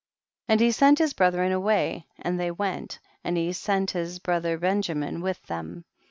86. And he sent his brethren away, and they went, and he sent his bro ther Benjamin with them.